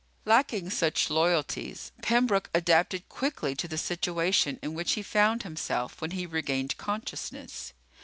Lacking such loyalties, Pembroke adapted quickly to the situation in which he found himself when he regained consciousness.